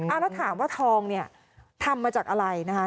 แล้วถามว่าทองเนี่ยทำมาจากอะไรนะคะ